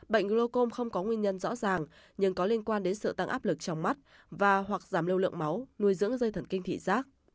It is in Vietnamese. bệnh glocom không có nguyên nhân rõ ràng nhưng có liên quan đến sự tăng áp lực trong mắt và hoặc giảm lưu lượng máu nuôi dưỡng dây thần kinh thị giác